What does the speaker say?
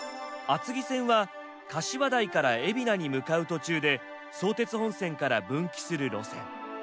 厚木線はかしわ台から海老名に向かう途中で相鉄本線から分岐する路線。